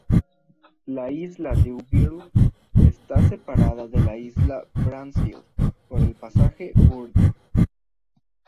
La isla D'Urville está separada de la isla Bransfield por el pasaje Burden.